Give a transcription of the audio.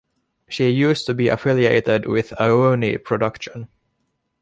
She used to be affiliated with Aoni Production.